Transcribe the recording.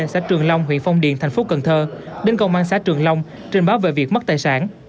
xã trường long huyện phong điền thành phố cần thơ đến công an xã trường long trình báo về việc mất tài sản